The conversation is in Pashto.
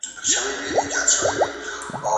که پوځ ولرو نو سرحد نه ماتیږي.